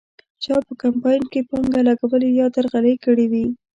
چا په کمپاین کې پانګه لګولې یا درغلۍ کړې وې.